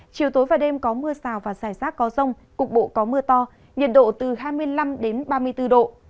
chiều tối và đêm có mưa rào và rải rác có rông cục bộ có mưa to nhiệt độ từ hai mươi năm ba mươi bốn độ